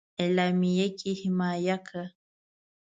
اعلامیه کې حمایه کړه.